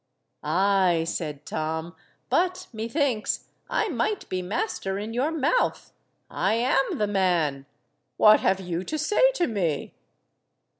"Ay!" said Tom, "but, methinks, I might be master in your mouth. I am the man: what have you to say to me?"